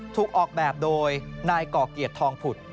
ถูกออกแบบโดยนายก่อเกียรติทองผุด